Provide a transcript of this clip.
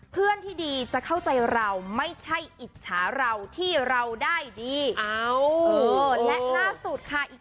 เพื่อนที่ดีจะเข้าใจเราไม่ใช่อิจฉาเราที่เราได้ดี